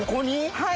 はい。